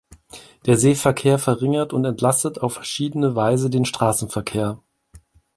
Der Seeverkehr verringert und entlastet auf verschiedene Weise den Straßenverkehr.